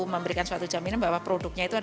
memberikan suatu jaminan bahwa produknya itu adalah